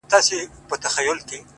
o ليري له بلا سومه، چي ستا سومه،